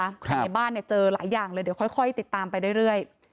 ในบ้านเนี่ยเจอหลายอย่างเลยเดี๋ยวค่อยติดตามไปเรื่อย